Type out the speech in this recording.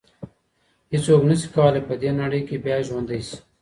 هیڅوک نسي کولای په دې نړۍ کي بیا ژوندی سي.